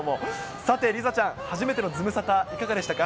さて梨紗ちゃん、初めてのズムサタいかがでしたか？